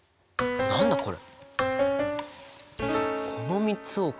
何だこれ。